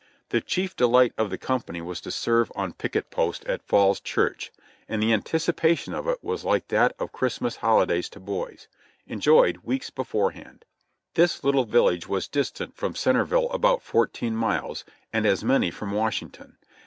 The chief delight of the company was to serve on picket post at Falls Church, and the anticipation of it was like that of Christ mas holidays to boys — enjoyed weeks beforehand. This little village was distant from Centerville about fourteen miles, and as many from Washington.